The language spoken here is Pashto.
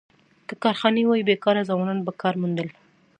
که کارخانې وای، بېکاره ځوانان به کار موندل.